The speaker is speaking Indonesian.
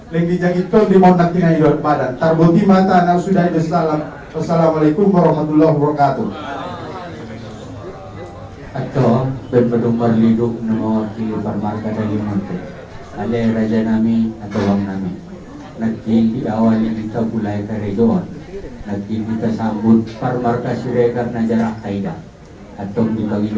leng di janggit doun dimang nangkinani doan badan